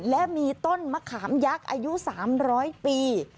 และมีต้นมะขามยักษ์อายุ๓๐๐ปี